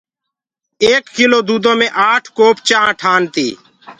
ايڪ ڪلو دودو مي آٺ ڪوپ چآنٚه ٺآن تي